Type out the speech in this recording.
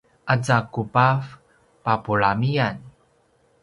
aza kubav papulamian